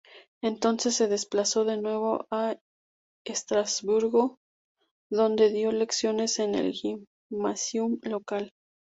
Entonces se desplazó de nuevo a Estrasburgo, donde dio lecciones en el "Gymnasium" local.